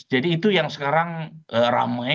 jadi itu yang sekarang ramai